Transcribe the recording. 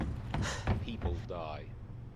People die.